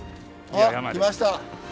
お来ました。